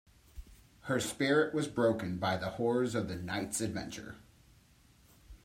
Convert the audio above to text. Her spirit was broken by the horrors of the night's adventure.